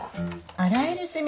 洗える墨。